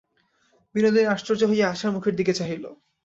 বিনোদিনী আশ্চর্য হইয়া আশার মুখের দিকে চাহিল।